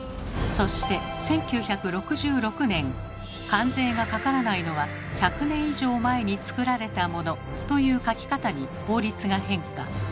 そして１９６６年関税がかからないのは「１００年以上前に作られたモノ」という書き方に法律が変化。